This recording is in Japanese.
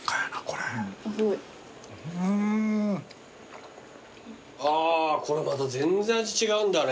これまた全然味違うんだね